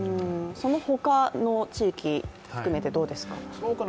そのほかの地域含めてどうですか。